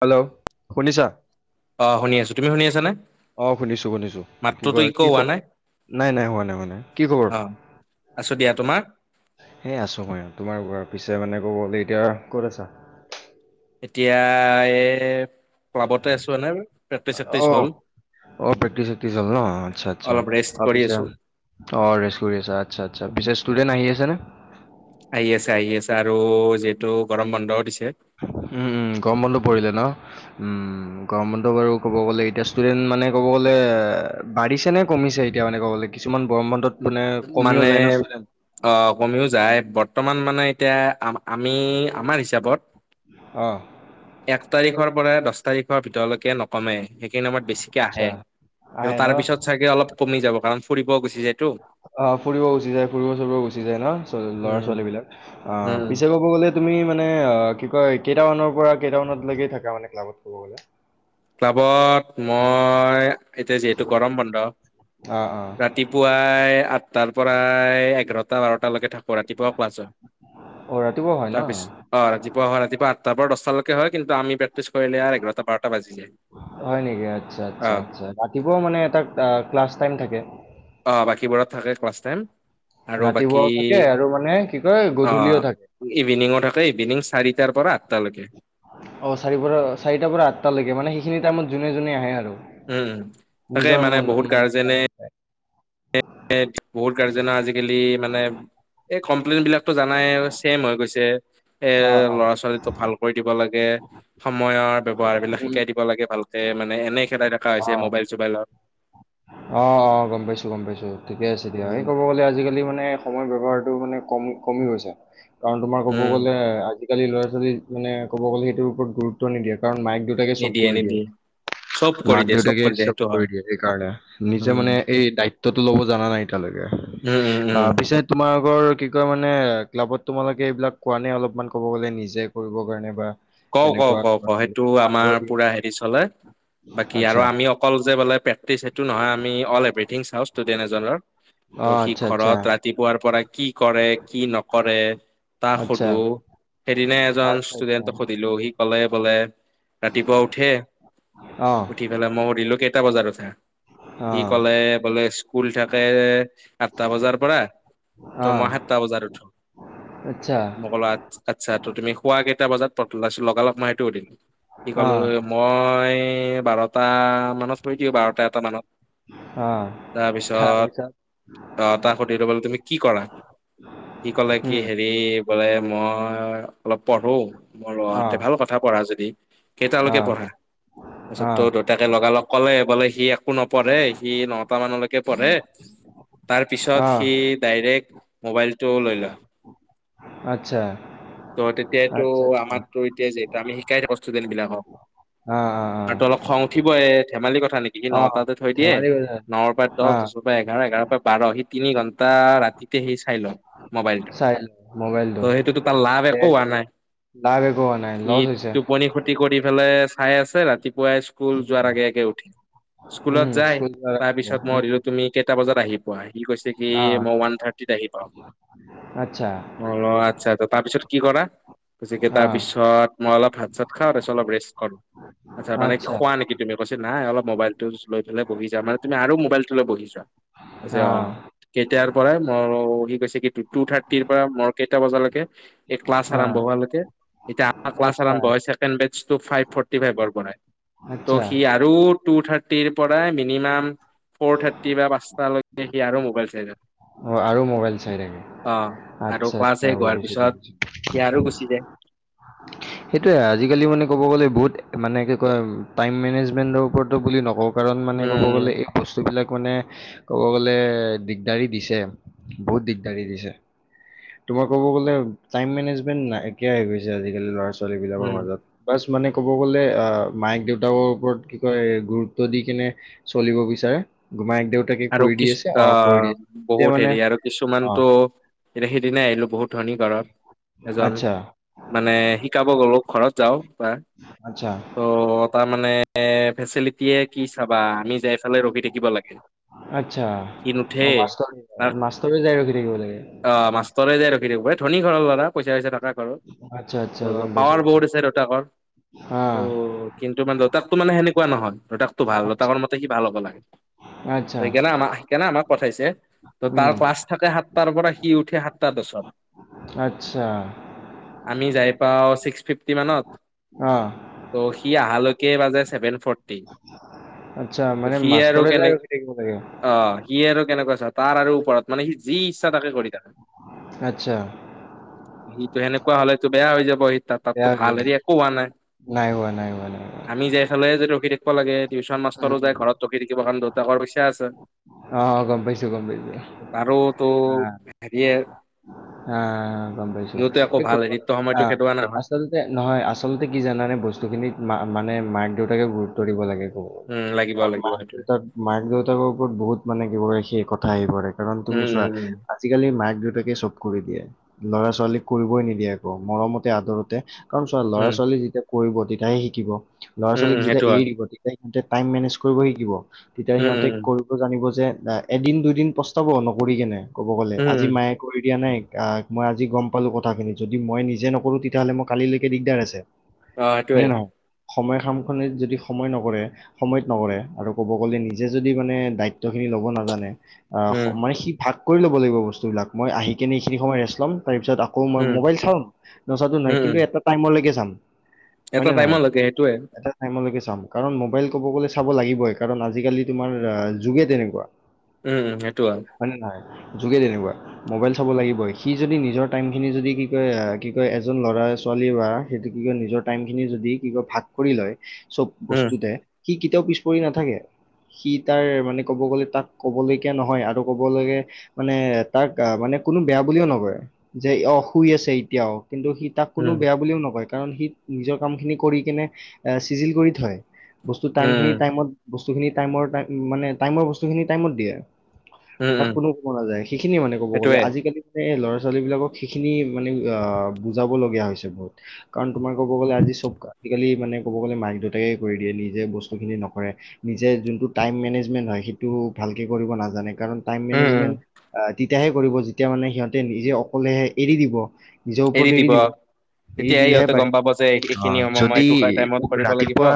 Hello শুনিছা? অ শুনি আছো তুমি শুনি আছানে অ শুনিছো - শুনিছো কি মাত্ৰতো কয় ইক' কি ক? হোৱা নাই নাই নাই হোৱা নাই হোৱা নাই কি খবৰ? অ আছো দিয়া। তোমাৰ এই আছো মই তোমাৰ ঘ পিছে মানে ক'ব গ'লে এতিয়া ক'ত আছা? এতিয়া এ ক্লাবতে আছো এনে প্ৰেক্টিচ চেক্টিচ অ হ'ল। অ প্ৰেকটিছ চেকটিছ হল ন আচ্ছা - আচ্ছা অলপ ৰেষ্ট অ কৰি পিছে আছো অ ৰেষ্ট কৰি আছা আটচা- আটচা, উম, পিছে ষ্টুডেন্ট আহি আছে নে? আহি আছে আহি আছে আৰু যিহেতু গৰম বন্ধোও দিছে। উম -উম গৰমৰ বন্ধ পৰিলে ন? উম গৰম বন্ধ বাৰু ক'ব গ'লে এতিয়া ষ্টুডেণ্ট মানে ক'ব গ'লে বাঢ়িছে নে কমিছে এতিয়া? ক এনেকুৱা কবলে কিছুমান গৰম বন্ধত উ মানে কমিও মানে যায় ন ষ্টুডেণ্ট? অ কমিও যায় বৰ্তমান মানে এতিয়া আম আমি আমাৰ হিচাপত অ এক তাৰিখৰ পৰা দহ তাৰিখৰ ভিতৰলৈকে নকমে। সেইখিনি সময়ত বেছিকে আহে আচ্ছা কিন্তু আহে তাৰ ন পিছত চাগে অলপ কমি যাব কাৰণ ফুৰিব গুচি যায় টো। অ ফুৰিব গুচি যায় ফুৰিব চুৰিব গুচি যায় ন চ ল'ৰা উম ছোৱালী বিলাক অ উম পিছে ক'ব গ'লে তুমি মানে অ কি কয় কেইটামানৰ পৰা কেইটামানত লকে থাকা মানে ক্লাবত থব গলে। ক্লাবত মই এতিয়া যিহেতু গৰম বন্ধ অ অ ৰাতিপুৱাই আঠটাৰ পৰাই এঘাৰটা বাৰটালৈকে থাকো। ৰাতিপুৱা ক্লাছৰ অ ৰাতিপুৱা হয় ন তাৰপিছত অ ৰাতিপুৱা -অ ৰাতিপুৱা আ তাৰ পৰা দহটালকে হয় কিন্তু আমি প্ৰেকটি কৰিলে আৰ এঘাৰটা বাৰটা বাজি যায় হয় নেকি আচ্ছা অ আচছা আচ্ছা ৰাতিপুৱাও মানে এটা ক্লাছ টাইম থাকে। অ বাকীবোৰত থাকে ক্লাছ টাইম আৰু বাকী ৰাতিপুৱাও থাকে আৰু মানে কি কয় গধূলিও থাকে। ইভিনিং থাকে ইভিনিং চাৰিটাৰ পৰা আঠটালৈকে। অ চাৰি পৰা চাৰিটাৰ পৰা আঠটা লৈকে মানে সেইখিনি টাইমত যোনে -যোনে আহে আৰু। উম উম তাকে নিজৰ মানে ম বহুত গাৰ্জেনে মানায়। বহুত কাৰজনা আজিকালি মানে। এই কমপ্লেইন বিলাকতো জানাই চেইম হৈ গৈছে। এৰ অ অ ল'ৰা ছোৱালী তোক ভাল কৰি দিব লাগে সময়ৰ ব্যৱহাৰ বিলাক উম শিকাই দিব লাগে ভাল। ততে মানে এনেই খেলাই থকা হৈছে মোবাইল চোবাইলত। অ অ গম পাইছো গম পাইছো ঠিকে আছে দিয়া সেই উম ক'ব গলে আজিকালি মানে সময় ব্যৱহাৰ। মানে কমি কমি গৈছে কাৰণ তোমাৰ ক'ব উম গ'লে আজি আজি কালি ল'ৰা ছালী মানে ক'ব গ'লে সেইটো ওপৰত গুৰুত্ব নিদিয়ে। কাৰণ মায়েক দেউতাকে চব নিদিয়ে কৰি দিয়ে নিদিয়ে চব কৰি মাক দিয়ে দেউতাকে দিয়ে চব সেইটো কৰি হয় দিয়ে। নিজে উম মানে এই দায়িত্বটো লব জানা নাই এতিয়ালৈকে উম উম উম আহ পিছে তোমাৰ। তোমাৰ আগৰ কি কয় মানে ক্লাবত তোমালোকে এইবিলাক কোৱা নে অলপমান ক'ব গ'লে নিজে কৰিবৰ কাৰণে বা। কও ক তেনেকুৱা ক ক ল'ৰা ছোৱালীক সেইটো আগ্ৰহ আমাৰ দিয়া পুৰা হেৰি চলে বাকি আৰু আচ্ছা আমি অকল যে বোলে। সেইটো নহয় আমি অল এভ্ৰথিং চাওঁ ষ্টুডেণ্ট এজনৰ ত' অঁ সি আচ্ছা আচ্ছা ঘৰত ৰাতিপুৱাৰ পৰা। কি কৰে কি নকৰে তাক আচ্ছা সুধো সেইদিনা এজন আচ্ছা আচ্ছা ষ্টুডেন্ট। সুধিলো সি কলে বোলে ৰাতিপুৱা উঠে। অঁ উঠি পেলাই মই সুধিলো কেইটা বজাত আ সি অঁ ক'লে বোলে স্কুল থাকে আঠটা বজাৰ পৰা। ত মই অ', সাতটা বজাত উঠো আচ্ছা, মই ক'লো আচ্ছা ত তুমি শোৱা কেইটা বজাত ব মত অ', পৰি দিব বাৰটা এটা মানত অ', তাৰপিছত আহ তাক সুধ লব তুমি কি কৰা কি কলে কি উম, হেৰি বোলে মই অলপ পঢ়ো মোৰ লৰাতে অ', ভাল কথা পঢ়া যদি কেইটালৈকে অ', পঢ়া তাৰপিছত ত অ', দেউতাকে লগালগ ক'লে বলে সি একো নপঢ়ে সি নটা মানলৈকে পঢ়ে তাৰ পিছত অ', সি ডাইৰেক্ট মোবাইলটো লৈ লয় আচ্ছা, ত তেতিয়ো আচ্ছা, আচ্ছা, আমাৰৰিতে যেটো আমি শিকাই থাকো ষ্টুডেন্ট বিলাকক অ', অ', আৰু তো অ', অলপ খং উঠিবই ধেমালি কথা নেকি সি অ', নটাতে থৈ দিয়ে ধেমালি কৰিছা? ন পৰা দহ অ', দুৰ পৰা এঘাৰ এঘাৰ পৰা বাৰ সি তিনি ঘন্টা ৰাতিতে সেই চাই ল মোবাইলটো চাইলোঁ ত মোবাইলটো, সেইটোতো তাৰ লাভ একো হোৱা নাই লাাগে কোৱা নাই লচ হৈছে ফি কৰি পেলাই চাই আছে ৰাতিপুৱাই স্কুল যোৱাৰ উম, আগে আগে উঠিল স্কুলত উম, যাই স্কুল যোৱাৰ তাৰ আগে-আগে, পিছত মই উম, সধিলো তুমি কেইটা বজাত আহি পোৱা সি কৈছে কি অ', মই ওৱান থাৰ্টিত আহি পাও আচ্ছা, অ আচ্ছা তাৰপিছত কি কৰা কেই তাৰ অ', পিছত মই অলপ ভাত চাত খা তাৰিছত অলপ ৰেষ্ট কৰো আচ্ছা মানে কি খোৱা নেকি তুমি কৈছে নাই অলপ মোবাইল টো লৈ পেললে বহি যা মানে তুমি মোবাইলটো লৈ বহি যোৱা আছে অ কেেইতিয়াৰ পৰাই মোৰ কি কৈছে টু থাৰ্টিৰ পৰা মই কেইটা বজালৈকে এই ক্লাছ আৰম্ভ অ', হকে এতিয়া আমাৰ আচ্ছা, ক্লাছম্ভ হয় ফ ফটি ফন আচ্ছা, ত' সি আৰু টু থাৰ্টি থটিৰ পৰাই মিনিমাম ফ'ৰ থাৰ্টি বা পাঁচালৈকে সি আৰু মবাইল চাই অ আৰু মোবাইল চাই থাকে অ আৰু আচ্ছা ক্লাছ আচ্ছা শেষ হোৱাৰ অজছ পিছত সি আৰু গুচি যায় সেইটোৱে আজিকালি মানে ক'ব গ'লে বহুত মানে কি কয় টাইম মেনেজমেণ্টৰ ওপৰতো বুলি নকওঁ কাৰণ মানে ক'ব উম গ'লে এই বস্তুবিলাক মানে ক'ব গ'লে দিগদাৰী দিছে বহুত দিগদাৰি দিছে তোমাৰ ক'ব গ'লে টাইম মেনেজমেন্ট নাই একিয় গৈছে আজিকালি ল'ৰা ছোৱালী বিলাকৰ উম মাজত বা মানে ক'ব গ'লে মায়েক দেউতাকৰ ওপৰত কি কয় গুৰুত্ব দি কিনে চলিব বিচাৰে মায়েক দেউতাকে আৰু কৰি দি কিছ আছে অ কৰি আহ দি আছে যে বহুত মানে হেৰি আৰু অ কিছুমানতো এতিয়া সেইদিিনাই আহিলো বহুত ধনী ঘৰত এজন আচ্ছা মানে শিকাব গলো ঘৰত যাও তাৰ আচ্ছা ত' তাৰ মানে এ ফেচিলিটিয়ে কি চাবা আমি যাই ফালে ৰখি থাকিব লাগে আচছা সি নুঠে অ মাৰ মাষ্টৰ যাই ৰখি থাকিব লাগে অ মাষ্টৰৰে যোই ৰখি দিবাই ধনী ঘৰ লৰাা পইচা পইচা ত পাৱাৰ বৰ্ড আছে দেউতাকৰ ত' কিন্তু মানে তাতো মানে সেনেকুৱা োৱা নহয় ৰতাকতো ভাল ৰতাকৰ মতে সি ভাল হ'ব লাগে সেইকাৰণে আমাক সেইকাৰণে আমাক কঠাইছে ত তাৰ উম, ক্লাছ থাকে সাতটাৰ পৰা সি উঠে সাতটা বছত আতছা। আমি যাই পাওঁ ছিক্স-ফিফটি মানত, অ', ত' সি আহালৈ কে বাজে ছেভেন ফৰ্টি । আতছা মানে মাষ্টৰে যায় ৰখি থাকিব লাগে । অ! সি আৰু কেনেকুৱা? তাৰ আৰু ওপৰত, মানে সি যি ইচ্ছা তাকে কৰি থাকে । আতছা । ইটো এনেকুৱা হ'লেটো বেয়া হৈ যাব ই! তাতো বেয়া হৈ ভাল যায়। হেৰি একো হোৱা নাই নাই হোৱা, নাই হোৱা, নাই হোৱা। আমি যাই ফালেে যে ৰখি থাক লাগে, টিউচন মাষ্টৰ উম, যায় ঘৰত ৰখি থাকিব লাগে, কাৰণ দেউতাকৰ বছি । হৈ আছে! অ', গম পাইছোঁ, গম পাইছোঁ। আৰুতো হেৰিয়ে! হঁ অঁ অঁ, গম পাইছোঁ! সিহঁতো একো এই ভাল কব হেৰিতো সময়তো অঁ, খেদোৱা নহয় আচলতে নহয়, আচলতে কি জানা! বস্তু খিনিত মা মানে, মাক-দেউতাকে গুৰুত্ব দিব লাগে! ক'ব উম লাগিব তাৰ লাগিব মাক-দেউতাক, মাক-দেউতাকৰ ওপৰত বহুত মানে জীৱনৰ সেই কথা আহি পৰে! কাৰণ তুমি চোৱা, আজিকালি মাক-দেউতাক কে চব কৰি দিয়ে, ল'ৰা-ছোৱালীক কৰিবই নিদিয়ে একোকে, মৰমতে আদৰতে! কাৰণ চাওক! ল'ৰা-ছোৱালী যেতিয়া কৰিব তেতিয়াহে শিকিব! ল'ৰা-ছোৱালীক যেতিয়া সেইটোৱে এৰি দিব তেতিয়াহে সিহঁতে টাইম মেনেজ কৰিব শিকিব, তেতিয়া উম সিহঁতে কৰিব জানিব যে দা এদিন-দুদিন পস্তাব, নকৰি কেনে, ক'ব গ'লে! উম উম উম উম আজি উম মায়ে কৰি দিয়া নাই । আঁ! মই আজি গম পালোঁ কথাখিনি, যদি মই নিজে নকৰোঁ তেতিয়াহ'লে মোৰ কালিলৈকে দিগদাৰ আছে । অঁ! সেইটোৱেই। সময়ৰ কামখিনি যদি সময়ত নকৰে, সময়ত নকৰে আৰু ক'ব গ'লে নিজে যদি মানে দায়িত্বখিনি ল'ব নাজানে আহ! উম মানে সি ভাগ কৰি ল'ব লাগিব বস্তুবিলাক, মই আহি কিনে এইখিনি সময় ৰেষ্ট ল'ম । তাৰপিছত আকৌ মই উম উম উম উম অ সেইটোৱে উম উম উম মোবাইল চাম, নোচোৱা নহয় কিন্তু উম এটা টাইমলৈকে চাম । হয় এটা নে নহয়, টাইমলৈকে সেইটোৱে এটা টাইমলৈকে । চাম । কাৰণ মোবাইল ক'ব গ'লে চাব লাগিবই, কাৰণ আজিকালি তোমাৰ যুগে তেনেকুৱা! উম! সেইটোৱে হয় । নে নহয়? যুগে তেনেকুৱা, মোবাইল চাব লাগিবই । সি যদি নিজৰ টাইমখিনি যদি কি কয়, কি কয় এজন ল'ৰা হয়! ছোৱালী বা সেইটো কি কয় নিজৰ টাইম খিনি যদি কি কয় ভাগ কৰি লয়, চব উম বস্তুতে । সি কেতিয়াও পিছ পৰি নাথাকে । সি তাৰ মানে ক'ব গ'লে তাক ক'বলগীয়া নহয় আৰু ক'ব গ'লে মানে তাক মানে কোনো বেয়া বুলিও নকয় যে অঁ শুই আছে, এতিয়া অঁ! কিন্তু সি তাক উম কোনো উম বেয়া বুলিও নকয়, কাৰণ সি নিজৰ কামখিনি কৰি কিনে চিজিল কৰি থয় । বস্তু টাইিন উম টাইমত, বস্তুখিনিাই মানে টাইমৰ বস্তুখিনি টাইমত দিয়ে! উম তাক উম কোনো ক'ব নাযায়, সেইখিনিয়ে মানে ক'ব গ'লে, সেইটোৱে আজিকালি মানে এই ল'ৰা-ছোৱালী ছোৱালীবিলাকক সেইখিনি মানে বুজাবলগীয়া হৈছে বহুত, কাৰণ তোমাৰ ক'ব গ'লে, আজি চব, আজি-কালি মানে ক'ব গ'লে মাক-দেউতাকে কৰি দিয়ে, নিজ নিজে বস্তুখিনি নকৰে, নিজে যোনটো টাইম মেনেজমেণ্ট হয়, সেইটো ভালকৈ কৰিব নাজানে! কাৰণ, টাইম উম উম মেনেজমেন্ট, আহ তেতিয়াহে কৰিব যেতিয়া মানে সিহঁতে নিজে অকলে এৰি দিব! নিজৰ ওপৰত এৰি দিব! এৰি তেতিয়াই দিলেহে সিহঁতে পাৰি! গম পাব যে এই এইখিনি অঁ, সময় মই যদি এইটো টাইমত কৰিব লাগিব। ৰাতিপুৱা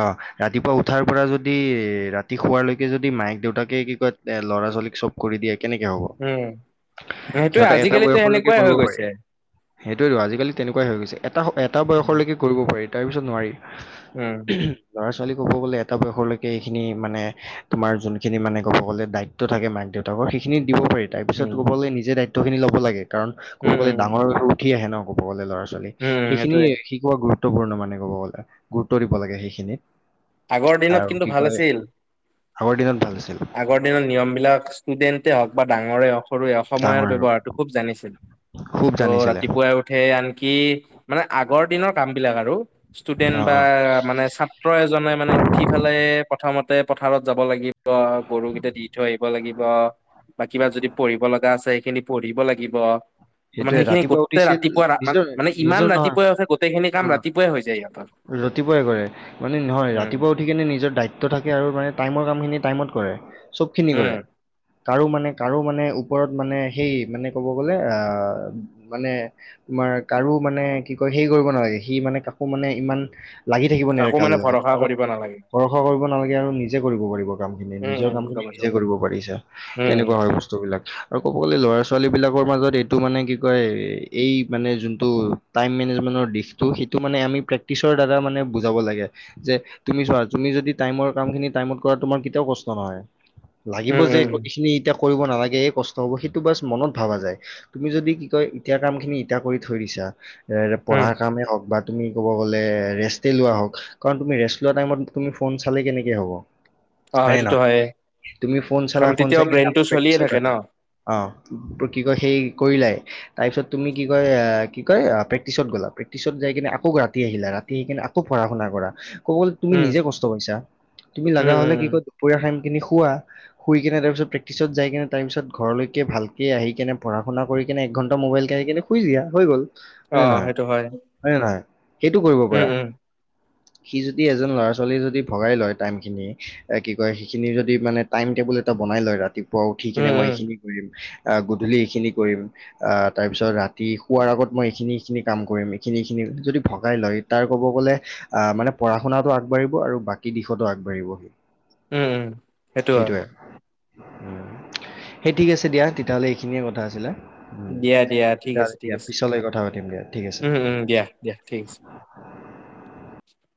অঁ! ৰাতিপুৱা উঠাৰ পৰা যদি ৰাতি শুৱালৈকে যদি মায়ক-দেউতাকে, কি কয় দে ল'ৰা-ছোৱালীক চব কৰি দিয়ে, কেনেকৈ উম, হ'ব? সেইটোয়ে সিহঁত এটা আজিকালিতো বয়সলৈকে সেনেকুৱাই হৈ কৰিব পাৰে গৈছে। । সেইটোৱেইটো! আজিকালি তেনেকুৱাই হৈ গৈছে, এটা, এটা উম, বয়সলৈকে কৰিব পাৰি, তাৰ পিছত নোৱাৰি! উম, ওহোঁ, ল'ৰা ছোৱালী ক'ব গ'লে এটা বয়সলৈকে, এইখিনি মানে তোমাৰ যোনখিনি মানে ক'ব গ'লে দায়িত্ব থাকে মাক-দেউতাকৰ, সেইখিনি দিব পাৰি, তাৰপিছত উম, ক'ব গলে নিজে দায়িত্বখিনি ল'ব লাগে, কাৰণ ক'ব গ'লে উম, ডাঙৰ হৈ উঠি আহে ন! ক'ব গ'লে ল'ৰা-ছোৱালী, উম, সেইখিনি সেইটোয়ে শিকোৱা গুৰুত্বপূৰ্ণ মানে ক'ব গ'লে, গুৰুত্ব ব লাগে সেইখিনিত । আগৰ দিনত কিন্তু ভাল আছিল আগৰ দিনত ভাল আছিল আগৰ দিনৰত নিয়ম বিলাক ষ্টুডেন্টে হওক বা ডাঙৰে হওক সৰুৱে সময়ৰ ডাঙৰ আৰু ব্যৱহাৰটো খুব জানিছিল খুব ত' জানিছিলে ৰাতিপুৱাই উঠে আনকি মানে আগৰ দিনৰ কাম বিলাক আৰু ষ্টুডেন্ট অ বা অ মানে ছাত্ৰ জাই মানে উঠি ফালে প্ৰথমতে পথাৰত যাব লাগিব গৰুকেইটা দি থৈ আহিব লাগিব ব কিবা যদি পঢ়িব লগা আছে খিনি পঢ়িব লাগিব মানে সেইটোয়ে সেইখিনি ৰাতিপুৱা গোটেই উঠিছিল ৰাতিপুৱা নিজৰ মানে ইমান নিজৰ নহয় ৰাতিপুৱাই উঠে গোটেইখিনি কাম অ ৰাতিপুৱাই হৈ যায় ইহতৰ ৰাতিপুৱাই কৰে মানে নহয় ৰাতিপুৱা উঠি কিনে নিজৰ দায়িত্ব থাকে আৰু মানে টাইমৰ কাম খিনি টাইমত কৰে চবখিনি উম কৰে কাৰো মানে কাৰো মানে ওপৰত মানে সেই মানে ক'ব গ'লে আহ মানে মাৰ কাৰো মানে কি কয় সেই কৰিব নালাগে সি মানে কাকো মানে ইমান লাগি থাকিব নে কাকো কাৰ মানে লগত ভৰসা কাৰণ কৰিব নালাগে ভৰষা কৰিব নালাগে আৰু নিজে কৰিব পাৰিব উম নিজৰ উম কাম খিনি গম পাইছো নিজে কৰিব পাৰিছা উম তেনেকুৱা হয় বস্তু বিলাক আৰু সকলো ল'ৰা ছোৱালীবিলাকৰ মাজত এইটো মানে কি কয় এই মানে যোনটো টাইম মেনেজমেণ্টৰ ইস্তু সিটো মানে আমি প্ৰেক ছৰ দাদা মানে বুজাব লাগে যে তুমি চোৱা তুমি যদি টাইমৰ কাম খিনি টাইমত কৰা তোমাৰ কেতিয়াও কষ্ট ত নহয় লাগিব উম যে উম এইখিনি এতিয়া কৰিব নালাগেে কষ্ট হ'ব সেইটো বা মনত ভাবা যায় তুমি যদি কি কয় ইতিয়া কাম খিনি ইতা কৰি থৈ দিছা এ উম পঢ়াৰ কামেই হওক বা তুমি কব গলে ৰেষ্টে লোৱা হক কাৰণ তুমি ৰেষ্ট লোৱা টাইমত ফোন ফন চালে কেনেকে হব অ হয় নে সেইটোতো নহয় হয়ে তুমি ফোন চলা কাৰণ ফোন চাই তেতিয়াও কিনে আকৌ ব্ৰেইনটো চলিয়ে প্ৰেক্টিচত থাকে ন আনা অ ত কি কয় সেই কৰিলাই তাৰপিছত তুমি কি কয় কি কয় প্ৰেক্টিছত গ'লা প্ৰেক্টিছত যাই কিনে আকৌ কা ৰাতি আহিলা ৰাতি আহি কিনে আকৌ পঢ়া শুনা কৰা ক'ব গলে তুমি উম নিজে কষ্ট পাইছা তুমি উম লগা উম হলে কি উম কয় দুপৰীয়া খান তুমি শুৱা শুই কিনে তাৰ পিছত প্ৰেক্টিচত যাই কিনে তাৰ পিছত ঘৰলেকে ভালকে আহি কিনে পঢ়া শুনা কৰি এক ঘন্টা মোবাইল কাৰি কিনে শুই দিয়া হৈ গ'ল অ হয় নে নহয় সেইটো হয় হয় নে নহয় সেইটো কৰিব উম পাৰা উম সি যদি এজন ল'ৰা ছোৱালীয়ে যদি ভগাই লয় টাইম খিনি কি কয় সিখিনি যদি মানে টাইম টেবুল এটা বনাই লয় ৰাতিপুৱা উঠি উম কিনে মই উম এইখিনি কৰিম আ গধূলি এইখিনি কৰিম আ তাৰপিছত ৰাতি শুৱাৰ আগত মই এখিনি এখিনি কাম কৰিম এখিনি এখিনি যদি ভগাই লয় তাৰ ক'ব গ'লে আহ মানে পঢ়া শুনাটো আগবাঢ়িব আৰু বাকী দিশতো আগবাঢ়িব উম উম সেইটো হয় সেইটোৱে সেই ঠিক আছে দিয়া তেতিয়াহ'লে এইখিনিয়ে কথা আছিলে উম দিয়া দিয়া ঠিক আছে তেতিয়ালে ঠিক দিয়া আছে পিছলৈ কথা পাতিম দিয়া ঠিক আছে উম উম দিয়া দিয়া ঠিক আছে [unintelligible]